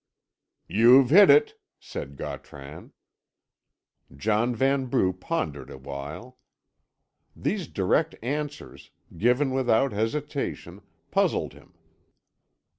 "You've hit it," said Gautran. John Vanbrugh pondered a while. These direct answers, given without hesitation, puzzled him.